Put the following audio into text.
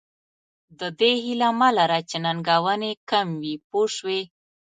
د دې هیله مه لره چې ننګونې کم وي پوه شوې!.